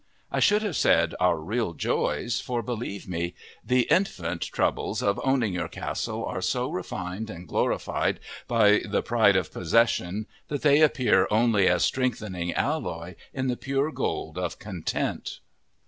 I should have said our real joys, for, believe me, the infant troubles of owning your castle are so refined and glorified by the pride of possession that they appear only as strengthening alloy in the pure gold of content.